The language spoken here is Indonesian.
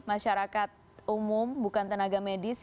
masyarakat umum bukan tenaga medis